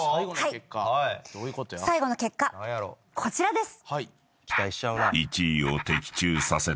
最後の結果こちらです！